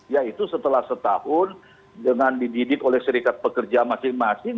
yaitu setelah setahun dengan dididik oleh serikat pekerja masing masing